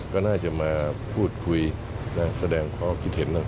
ก็น่าจะมาพูดคุยแสดงข้อคิดเห็น